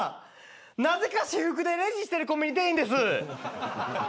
なぜか私服でレジしてるコンビニ店員です。